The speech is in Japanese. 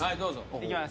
いきます。